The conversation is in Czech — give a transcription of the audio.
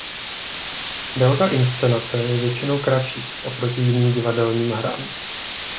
Délka inscenace je většinou kratší oproti jiným divadelním hrám.